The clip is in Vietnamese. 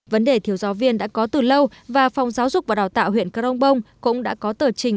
vấn đề thiếu giáo viên đã có từ lâu và phòng giáo dục và đào tạo huyện crong bông cũng đã có tờ trình